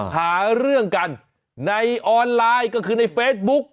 หาเรื่องกันในออนไลน์ก็คือในเฟซบุ๊ก